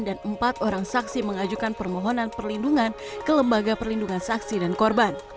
dan empat orang saksi mengajukan permohonan perlindungan ke lembaga perlindungan saksi dan korban